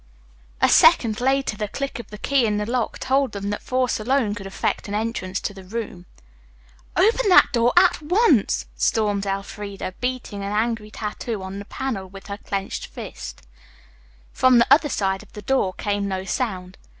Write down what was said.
A second later the click of the key in the lock told them that force alone could effect an entrance to the room. "Open that door at once," stormed Elfreda, beating an angry tattoo on the panel with her clenched fist. From the other side of the door came no sound.